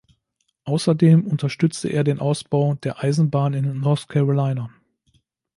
Außerdem unterstützte er den Ausbau der Eisenbahn in North Carolina.